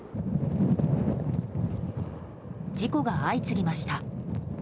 事故が相次ぎました。